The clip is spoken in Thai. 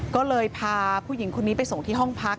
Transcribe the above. ก็เลยพาผู้หญิงคนนี้ไปส่งที่ห้องพัก